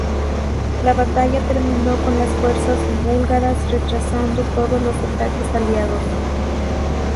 La batalla terminó con las fuerzas búlgaras rechazando todos los ataques aliados.